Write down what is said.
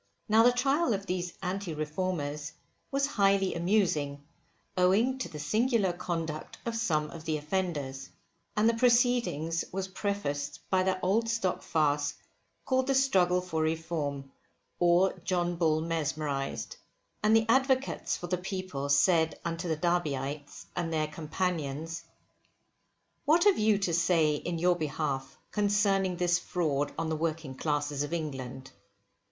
Now the trial of these Anti Reformers was highly amusing, owing to the singular conduct of some of the offenders. And the proceedings was prefaced by that old stock farce called the Struggle for Reform, or John Bull mesmerised. And the advocates for the people said unto the Derbyites and their companions, what have you to say in your behalf concerning this fraud on the working classes of England?